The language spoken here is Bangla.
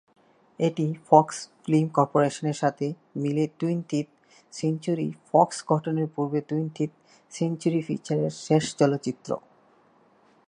এটি ফক্স ফিল্ম করপোরেশনের সাথে মিলে টুয়েন্টিয়েথ সেঞ্চুরি ফক্স গঠনের পূর্বে টুয়েন্টিয়েথ সেঞ্চুরি পিকচার্সের শেষ চলচ্চিত্র।